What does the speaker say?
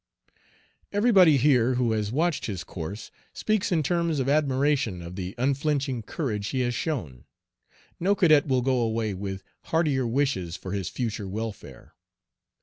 Everybody here who has watched his course speaks in terms of admiration of the unflinching courage he has shown. No cadet will go away with heartier wishes for his future welfare.